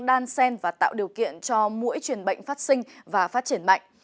đan sen và tạo điều kiện cho mũi truyền bệnh phát sinh và phát triển mạnh